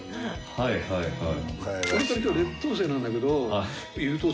はいはいはい。